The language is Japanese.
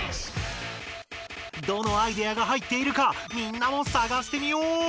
どのアイデアが入っているかみんなもさがしてみよう！